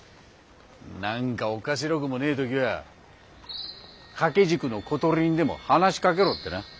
何かおかしろくもねぇ時は掛け軸の小鳥にでも話しかけろってな。